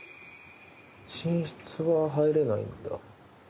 寝室は入れないんだ。